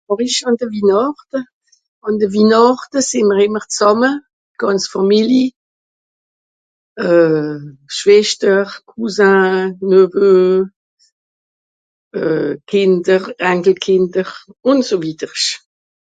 hòrisch àn de Winàchte àn de Winàchte sì mr ìmmer z'àmme d'gànz Fàmili euh Schweschter Cousin Neveu euh Kìnder Ankellìnder ùn so wiedersch